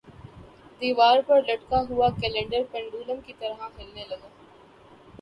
دیوار پر لٹکا ہوا کیلنڈر پنڈولم کی طرح ہلنے لگا